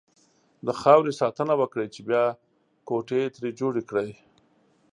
د خاورې ساتنه وکړئ! چې بيا کوټې ترې جوړې کړئ.